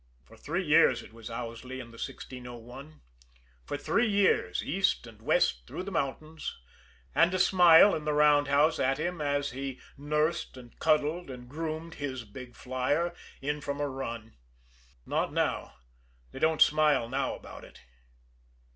For three years it was Owsley and the 1601; for three years east and west through the mountains and a smile in the roundhouse at him as he nursed and cuddled and groomed his big flyer, in from a run. Not now they don't smile now about it.